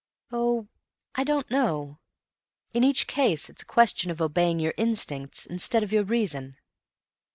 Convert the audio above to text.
"Oh, I don't know. In each case it's a question of obeying your instinct instead of your reason."